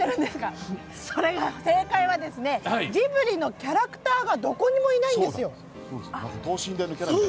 正解はジブリのキャラクターがどこにもいないんですよ。